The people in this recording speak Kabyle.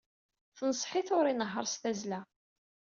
Tenṣeḥ-it ur inehheṛ s tazzla.